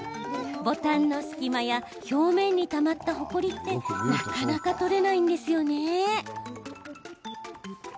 ボタンの隙間や表面にたまったほこりってなかなか取れないんですよね。